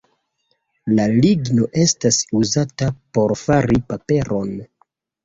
La ligno estas uzata por fari paperon.